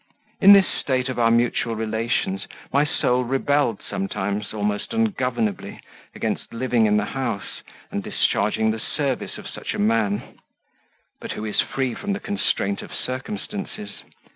In this state of our mutual relations, my soul rebelled sometimes almost ungovernably, against living in the house and discharging the service of such a man; but who is free from the constraint of circumstances?